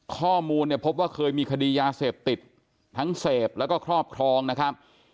ข้อมูลเนี่ยพบว่าเคยมีคดียาเสพติดทั้งเสพแล้วก็ครอบครองนะครับ